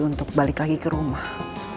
untuk balik lagi ke rumah